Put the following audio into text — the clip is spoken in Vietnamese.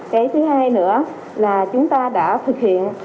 cái thứ hai nữa là chúng ta đã thực hiện